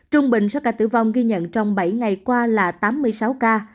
trung bình số ca tử vong ghi nhận trong bảy ngày qua là tám mươi sáu ca